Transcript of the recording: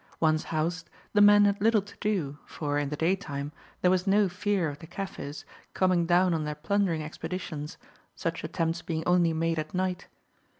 Once housed, the men had little to do, for, in the daytime, there was no fear of the Kaffirs coming down on their plundering expeditions, such attempts being only made at night.